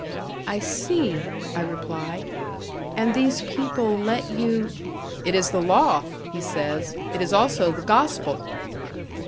"I see," I reply. "And these people let you " "It is the law," he says. "It is also the gospel."